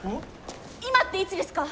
今っていつですか？